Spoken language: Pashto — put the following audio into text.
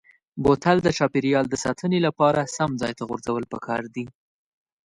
بوتل د چاپیریال د ساتنې لپاره سم ځای ته غورځول پکار دي.